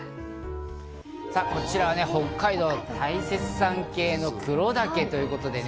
さぁこちら北海道の大雪山系の黒岳。